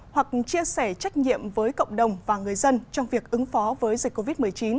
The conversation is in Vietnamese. hoặc chia sẻ trách nhiệm với cộng đồng và người dân trong việc ứng phó với dịch covid một mươi chín